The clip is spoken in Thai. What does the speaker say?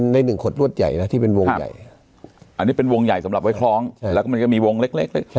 ในหนึ่งขดรวดใหญ่นะที่เป็นวงใหญ่อันนี้เป็นวงใหญ่สำหรับไว้คล้องแล้วก็มันก็มีวงเล็ก